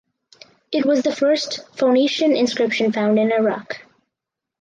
It was the first Phoenician inscription found in Iraq.